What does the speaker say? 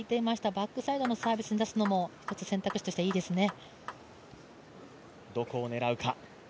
バックサイドのサービスを打つのも一つ選択肢としてはいいですね。